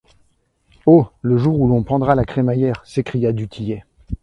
Oh! le jour où l’on pendra la crémaillère, s’écria du Tillet.